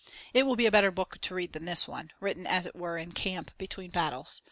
It will be a better book to read than this one, written, as it were, in camp between battles.